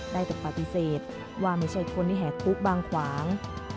ได้แต่ปฏิเสธว่าไม่ใช่คนที่แหกคุกบางขวาง